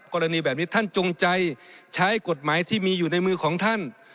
กรณีแบบนี้ท่านจงใจใช้กฎหมายที่มีอยู่ในมือของท่าน